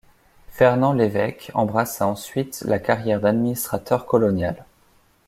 Fernand Lévecque embrassa ensuite la carrière d'administrateur colonial.